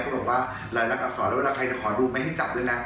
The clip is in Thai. ก็บอกว่ารายลักษรแล้วเวลาใครจะขอดูไม่ให้จับด้วยนะ